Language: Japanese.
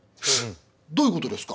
どういうことですか？